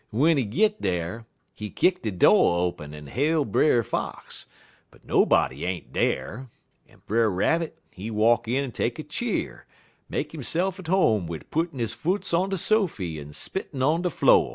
W'en he git dar, he kick de do' open en hail Brer Fox, but nobody ain't dar, en Brer Rabbit he walk in en take a cheer, en make hisse'f at home wid puttin' his foots on de sofy en spittin' on de flo'.